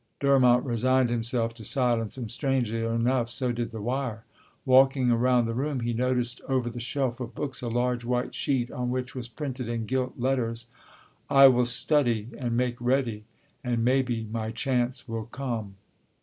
Durmont resigned himself to silence, and strangely enough, so did the wire. Walking around the room he noticed over the shelf of books a large white sheet on which was printed in gilt letters: "I WILL STUDY AND MAKE READY, AND MAYBE MY CHANCE WILL COME."